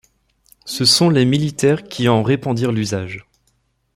Ce sont les militaires qui en répandirent l’usage.